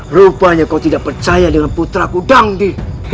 rupanya kau tidak percaya dengan putraku dangdi